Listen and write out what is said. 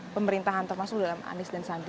pemerintahan atau masuk dalam anies dan sandi